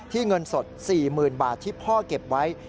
เงินสด๔๐๐๐บาทที่พ่อเก็บไว้